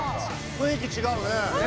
雰囲気違うね。